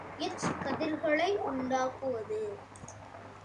X கதிர்களை உண்டாக்குவது.